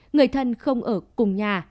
người thân không ở cùng nhà